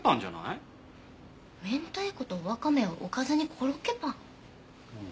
明太子とワカメをおかずにコロッケパン？